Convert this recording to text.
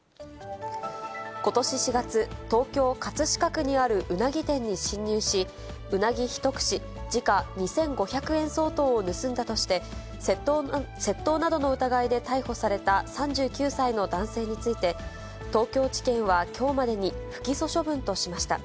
ことし４月、東京・葛飾区にあるうなぎ店に侵入し、うなぎ１串、時価２５００円相当を盗んだとして、窃盗などの疑いで逮捕された３９歳の男性について、東京地検はきょうまでに不起訴処分としました。